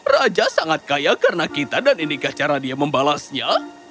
raja sangat kaya karena kita dan inikah cara dia membalasnya